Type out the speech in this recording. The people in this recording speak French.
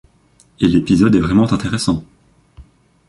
Et l'épisode est vraiment intéressant.